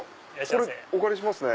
これお借りしますね。